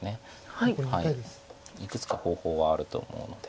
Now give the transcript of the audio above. いくつか方法はあると思うので。